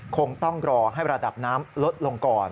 คงต้องรอให้ระดับน้ำลดลงก่อน